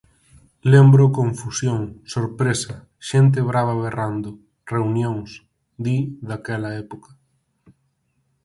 "Lembro confusión, sorpresa, xente brava berrando, reunións...", di daquela época.